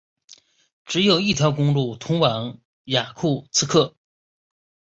只有一条公路通往雅库茨克。